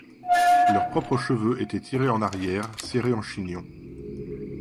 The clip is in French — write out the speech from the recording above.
Leurs propres cheveux étaient tirés en arrière, serrés en chignon.